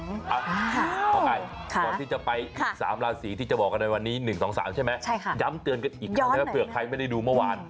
ขออภัยก่อนที่จะไปอีก๓ราศีที่จะบอกกันในวันนี้๑๒๓ใช่ไหมย้ำเตือนกันอีกแล้วเผื่อใครไม่ได้ดูเมื่อวาน